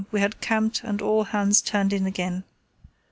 we had camped and all hands turned in again.